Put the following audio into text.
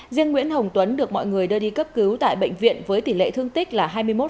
riêng nguyễn hồng tuấn được mọi người đưa đi cấp cứu tại bệnh viện với tỷ lệ thương tích là hai mươi một